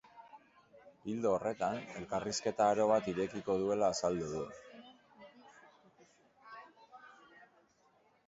Ildo horretan, elkarrizketa aro bat irekiko duela azaldu du.